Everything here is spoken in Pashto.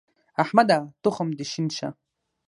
احمده! تخم دې شين شه.